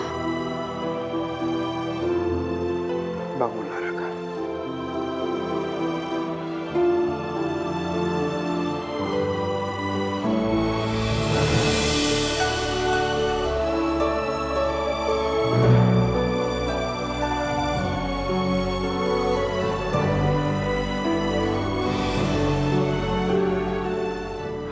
aku tidak menunduk raka